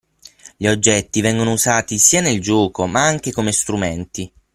Gli oggetti vengono usati sia nel gioco ma anche come strumenti.